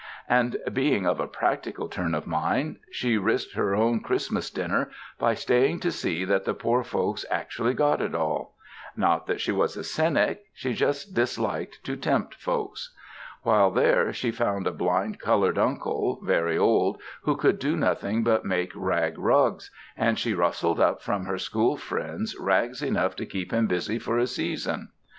And, being of a practical turn of mind, she risked her own Christmas dinner by staying to see that the poor folks actually got it all. Not that she was a cynic; she just disliked to tempt folks. While there she found a blind colored uncle, very old, who could do nothing but make rag rugs, and she rustled up from her school friends rags enough to keep him busy for a season.